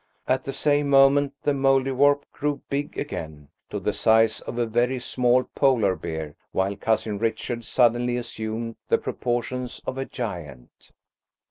At the same moment the Mouldiwarp grew big again–to the size of a very small Polar bear, while Cousin Richard suddenly assumed the proportions of a giant.